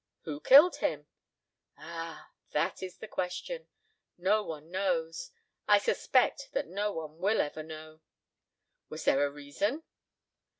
"Who killed him?" "Ah, that is the question! No one knows. I suspect that no one will ever know." "Was there a reason?"